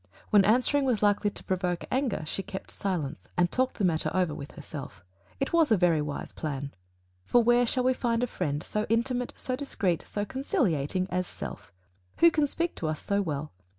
When answering was likely to provoke anger, she kept silence and talked the matter over with herself. A very wise plan. For where shall we find a friend so intimate, so discreet, so conciliating as self? Who can speak to us so well?